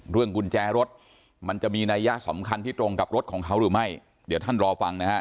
กุญแจรถมันจะมีนัยยะสำคัญที่ตรงกับรถของเขาหรือไม่เดี๋ยวท่านรอฟังนะฮะ